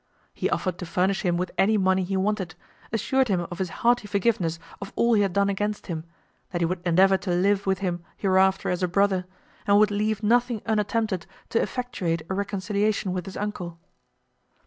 He offered to furnish him with any money he wanted, assured him of his hearty forgiveness of all he had done against him, that he would endeavour to live with him hereafter as a brother, and would leave nothing unattempted to effectuate a reconciliation with his uncle.